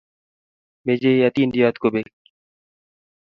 mechei atindiot kobek